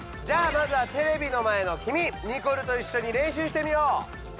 じゃあまずはテレビの前のきみニコルといっしょに練習してみよう！